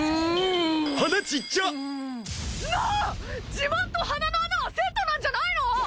自慢と鼻の穴はセットなんじゃないの！？